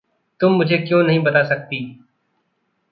तुम मुझे क्यों नहीं बता सकती?